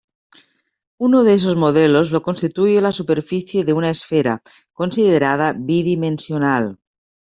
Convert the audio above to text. Uno de esos modelos lo constituye la superficie de una esfera, considerada bidimensional.